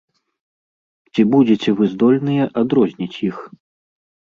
Ці будзеце вы здольныя адрозніць іх?